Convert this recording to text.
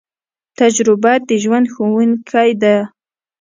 تجربه د ژوند ښوونکی ده